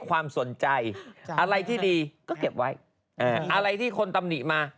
ความสนใจอะไรที่ดีก็เก็บไว้อะไรที่คนตำหนิมา